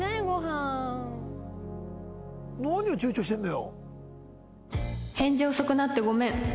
何をちゅうちょしてるのよ。